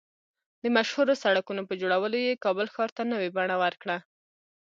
د مشهورو سړکونو په جوړولو یې کابل ښار ته نوې بڼه ورکړه